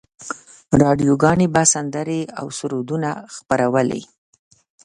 راډیوګانو به سندرې او سرودونه خپرولې.